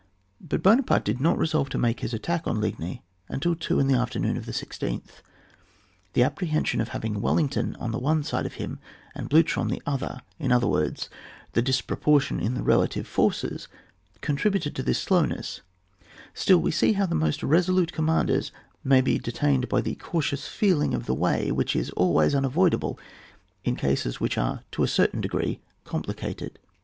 But Buonaparte did not resolve to make his attack on Ligny until two in the afternoon of the 16th. The appro hension of having Wellington on the one side of him, and BlUcher on the other, in other words, the disproportion in the relative forces, contributed to this slow ness ; still we see how the most resolute conmiander may be detained by the cau tious feeling of the way which is always unavoidable in cases which are to a cer tain degree complicated.